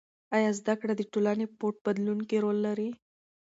آیا زده کړه د ټولنې په بدلون کې رول لري؟